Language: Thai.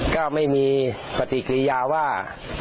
ก็ไม่มีปฏิกิริยาว่า